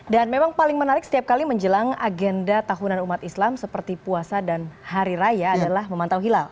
memang paling menarik setiap kali menjelang agenda tahunan umat islam seperti puasa dan hari raya adalah memantau hilal